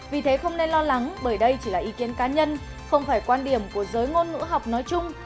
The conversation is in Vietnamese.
vì thế không nên lo lắng bởi đây chỉ là ý kiến cá nhân không phải quan điểm của giới ngôn ngữ học nói chung